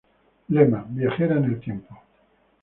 Lema: "Viajera en el Tiempo".